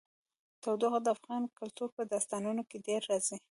تودوخه د افغان کلتور په داستانونو کې ډېره راځي.